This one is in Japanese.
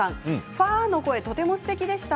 ファーの声、とてもすてきでした。